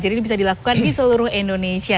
jadi ini bisa dilakukan di seluruh indonesia